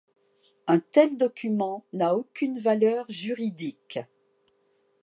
Un tel document n'a aucune valeur juridique.